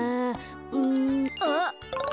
うんあっ！